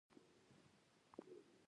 د پوهې زلمیان به دا خاوره اباده کړي.